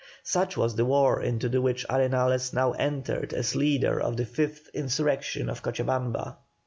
Such was the war into which Arenales now entered as leader of the fifth insurrection of Cochabamba.